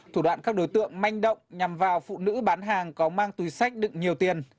thủ đoạn các đối tượng manh động nhằm vào phụ nữ bán hàng có mang túi sách đựng nhiều tiền